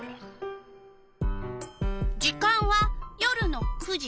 時間は夜の９時。